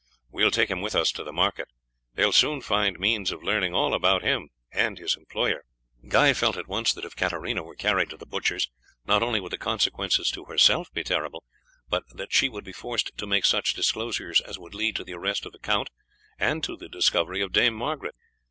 We will take him with us to the market; they will soon find means of learning all about him and his employer." Guy felt at once that if Katarina were carried to the butchers, not only would the consequences to herself be terrible, but that she would be forced to make such disclosures as would lead to the arrest of the count, and to the discovery of Dame Margaret.